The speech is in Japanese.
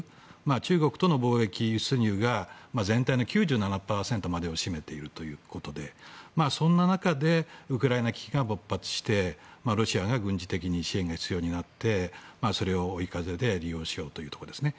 中国との貿易収入が全体の９７％までを占めているということでそんな中でウクライナ危機が勃発してロシアが軍事的に支援が必要になってそれを追い風で利用しようというところですね。